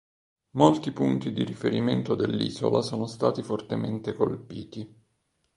Molti punti di riferimento dell'isola sono stati fortemente colpiti.